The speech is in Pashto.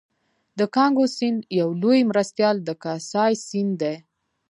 د کانګو سیند یو لوی مرستیال د کاسای سیند دی